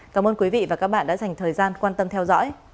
cảm ơn quý vị và các bạn đã dành thời gian quan tâm theo dõi